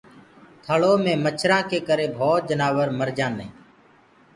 ٿݪو مي مڇرآنٚ ڪري ڀوت جنآور مردآئينٚ